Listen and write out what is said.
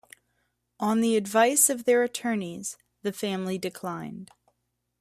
On the advice of their attorneys, the family declined.